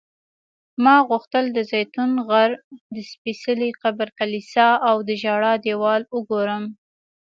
ما غوښتل د زیتون غر، د سپېڅلي قبر کلیسا او د ژړا دیوال وګورم.